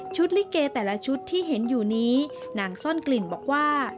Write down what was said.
ลิเกแต่ละชุดที่เห็นอยู่นี้นางซ่อนกลิ่นบอกว่า